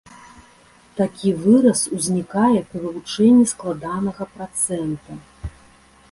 Такі выраз ўзнікае пры вывучэнні складанага працэнта.